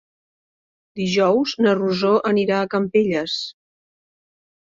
Dijous na Rosó anirà a Campelles.